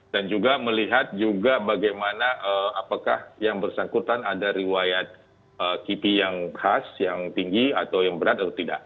dan juga melihat juga bagaimana apakah yang bersangkutan ada riwayat kipi yang khas yang tinggi atau yang berat atau tidak